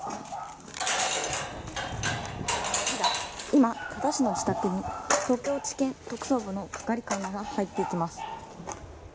今、多田氏の自宅に東京地検特捜部の係官が入っていきます。